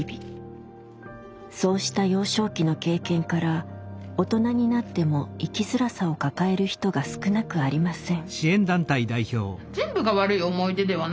そうした幼少期の経験から大人になっても生きづらさを抱える人が少なくありません。